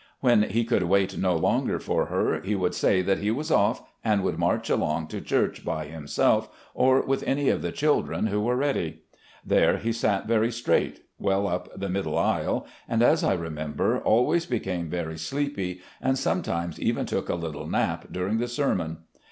When he could wait no longer for her, he would say that he was off and would march along to church by himself, or with any of the children who were ready. There he sat very straight — well up the middle aisle — ^and, as I remember, always became very sleepy, and sometimes even took a little nap during the sermon.